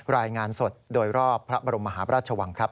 รายงานสดโดยรอบพระบรมมหาพระราชวังครับ